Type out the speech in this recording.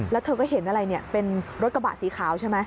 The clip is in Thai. แล้วเธอก็เห็นอะไรเนี่ยเป็นรถกระบะสีขาวใช่ไหม